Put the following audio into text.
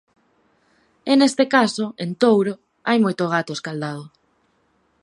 E, neste caso, en Touro hai moito gato escaldado.